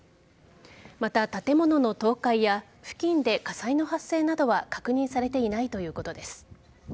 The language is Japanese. また、建物の倒壊や付近で火災の発生などは確認されていないということです。